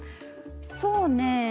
そうね。